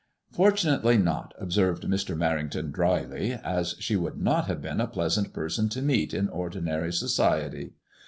" Fortunately not," observed Mr. Merrington, dryly, "as she would not have been a pleasant person to meet in ordinary so ciety."